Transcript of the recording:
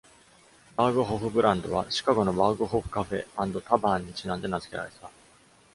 Berghoff ブランドはシカゴの Berghoff Cafe and Tavern にちなんで名付けられた。